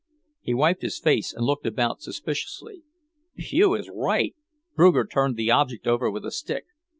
He wiped his face and looked about suspiciously. "Phew is right!" Bruger turned the object over with a stick.